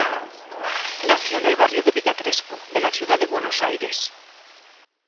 Nació en el barrio de Villa Crespo, de la ciudad de Buenos Aires.